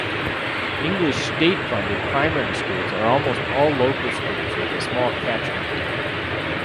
English state-funded primary schools are almost all local schools with a small catchment area.